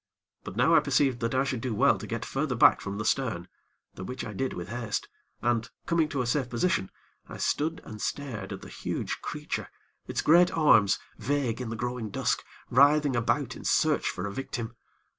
But now I perceived that I should do well to get further back from the stern, the which I did with haste, and, coming to a safe position, I stood and stared at the huge creature, its great arms, vague in the growing dusk, writhing about in vain search for a victim.